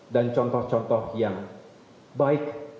dan contoh contoh yang baik